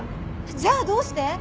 じゃあどうして？